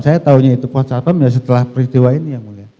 saya tahunya itu pos apa setelah peristiwa ini yang mulia